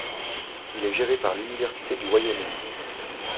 Il est géré par l'Université du Wyoming.